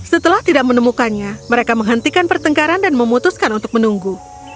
setelah tidak menemukannya mereka menghentikan pertengkaran dan memutuskan untuk menunggu